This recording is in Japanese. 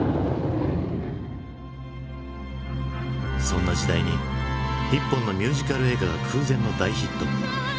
そんな時代に一本のミュージカル映画が空前の大ヒット。